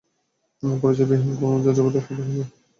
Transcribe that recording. পরিচয় বিহীন কোন যাযাবরের কথা শুনতে পারবো না।